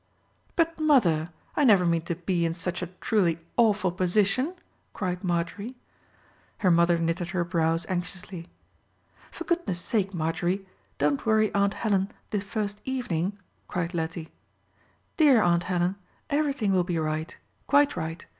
"But, mother, I never mean to be in such a truly awful position," cried Marjorie. Her mother knitted her brows anxiously. "For goodness' sake, Marjorie, don't worry Aunt Helen the first evening," cried Lettie.—"Dear Aunt Helen, everything will be right—quite right.